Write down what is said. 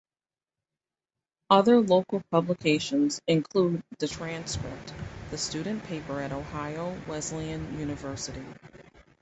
Other local publications include "the Transcript", the student paper at Ohio Wesleyan University.